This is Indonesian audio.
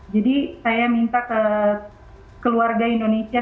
jadi saya minta ke keluarga indonesia